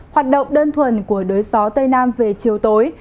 hoạt động đơn thuần của đới gió tây nam về chiều tối